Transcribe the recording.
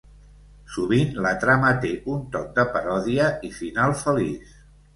Sovint la trama té un toc de paròdia i final feliç.